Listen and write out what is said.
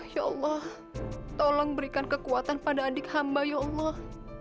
ya allah tolong berikan kekuatan pada adik hamba ya allah